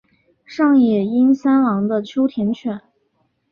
上野英三郎的秋田犬。